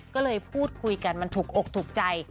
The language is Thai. ก็เลยพูดคุยกันมันถูกอกถูกใจ